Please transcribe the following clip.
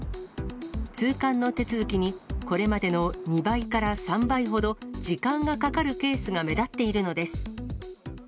通関の手続きにこれまでの２倍から３倍ほど時間がかかるケースが目立っているのです。